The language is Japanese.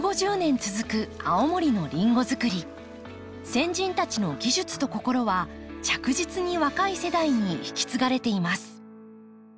先人たちの技術と心は着実に若い世代に引き継がれています。